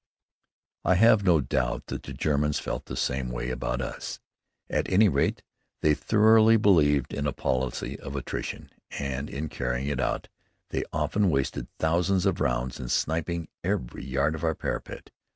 I have no doubt that the Germans felt the same way about us. At any rate, they thoroughly believed in the policy of attrition, and in carrying it out they often wasted thousands of rounds in sniping every yard of our parapet.